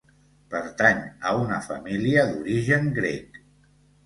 Pertany a una família d'origen grec.